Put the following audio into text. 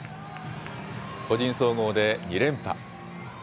個人総合で２連覇。